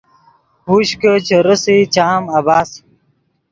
ہوش کہ چے رېسئے چام عبث